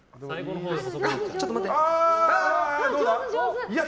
ちょっと待って。